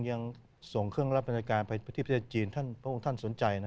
ยังส่งเครื่องรับบริษัยการไปพระเทพเฉพาะเจนส์ท่านเป้าท่านสนใจนะ